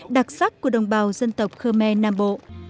đặc sắc của đồng bào dân tộc khơ me nam bộ